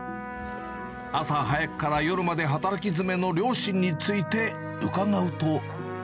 朝早くから夜まで働き詰めの両親について伺うと。